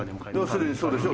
要するにそうでしょ？